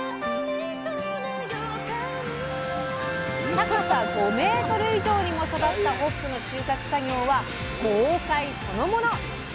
高さ５メートル以上にも育ったホップの収穫作業は豪快そのもの。